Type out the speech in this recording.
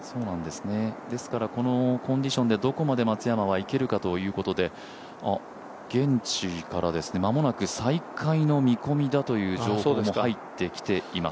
ですからこのコンディションでどこまで松山はいけるかということで現地から間もなく再開の見込みだという情報も入ってきています。